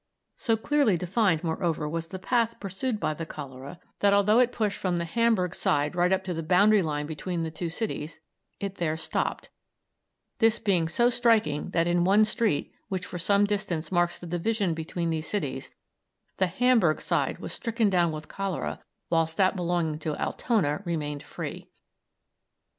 So clearly defined, moreover, was the path pursued by the cholera, that although it pushed from the Hamburg side right up to the boundary line between the two cities, it there stopped, this being so striking that in one street, which for some distance marks the division between these cities, the Hamburg side was stricken down with cholera, whilst that belonging to Altona remained free.